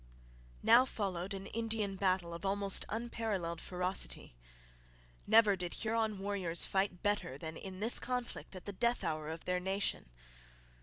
Now followed an Indian battle of almost unparalleled ferocity. Never did Huron warriors fight better than in this conflict at the death hour of their nation.